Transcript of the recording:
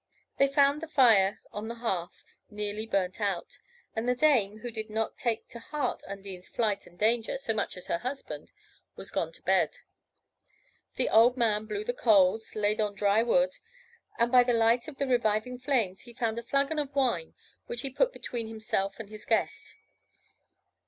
They found the fire on the hearth nearly burnt out, and the dame, who did not take to heart Undine's flight and danger so much as her husband, was gone to bed. The old man blew the coals, laid on dry wood, and by the light of the reviving flames he found a flagon of wine, which he put between himself and his guest.